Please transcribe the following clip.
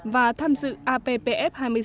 và tham dự appf hai mươi sáu